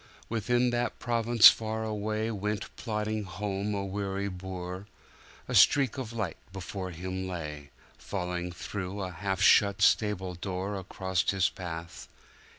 Within that province far away Went plodding home a weary boor;A streak of light before him lay, Falling through a half shut stable doorAcross his path.